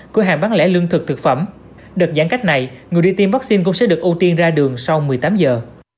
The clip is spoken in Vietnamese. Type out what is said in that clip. cửa hàng bán lẻ lương thực thực phẩm đợt giãn cách này người đi tiêm vaccine cũng sẽ được ưu tiên ra đường sau một mươi tám giờ